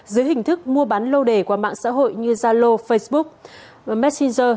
dưới hình thức mua bán lô đề qua mạng xã hội như zalo facebook messenger